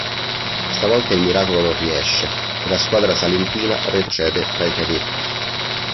Stavolta il miracolo non riesce, e la squadra salentina retrocede tra i cadetti.